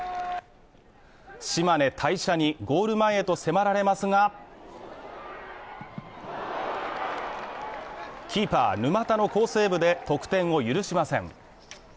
島根・大社にゴール前へと迫られますが、キーパー・沼田の好セーブで得点を許しません。